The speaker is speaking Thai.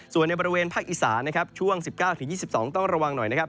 ส่วนในบริเวณภาคอีสานนะครับช่วง๑๙๒๒ต้องระวังหน่อยนะครับ